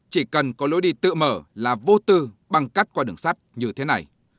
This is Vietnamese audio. chỉ cần có lối đi tự mở là vô tư bằng cắt qua đường sắp như thế này